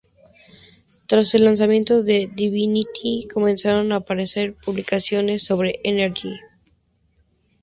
Tras el lanzamiento de Divinity, comenzaron a aparecer publicaciones sobre Energy.